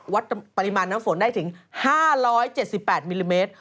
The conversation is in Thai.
วัดปริมาณน้ำฝนได้ถึง๕๗๘มิลลิเมตร